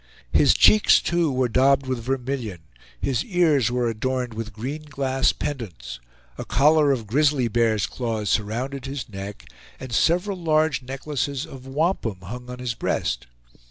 His cheeks, too, were daubed with vermilion; his ears were adorned with green glass pendants; a collar of grizzly bears' claws surrounded his neck, and several large necklaces of wampum hung on his breast.